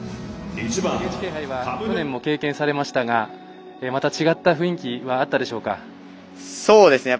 ＮＨＫ杯は去年も経験されましたがまた違った雰囲気はあったでしょうか。